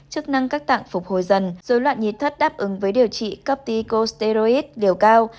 chức năng các tạng phục hồi dần dối loạn nhiệt thất đáp ứng với điều trị copticosteroid liều cao